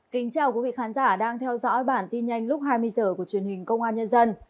kính chào quý vị khán giả đang theo dõi bản tin nhanh lúc hai mươi h của truyền hình công an nhân dân